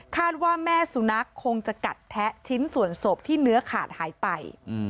ว่าแม่สุนัขคงจะกัดแทะชิ้นส่วนศพที่เนื้อขาดหายไป